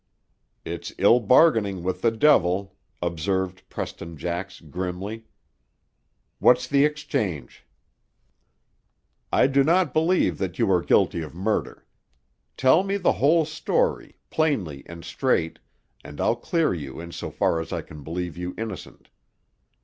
"It's ill bargaining with the devil," observed Preston Jax grimly. "What's the exchange?" "I do not believe that you are guilty of murder. Tell me the whole story, plainly and straight, and I'll clear you in so far as I can believe you innocent."